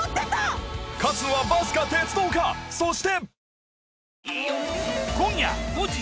そして。